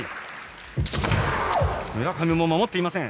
村上も守っていません。